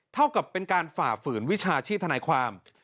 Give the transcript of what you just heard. เท่ากับเป็นการฝ่าฝืนวิชาชีพทนายความ